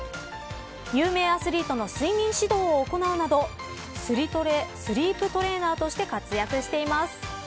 有名アスリートの睡眠指導を行うなどスリトレ、スリープトレーナーとして活躍しています。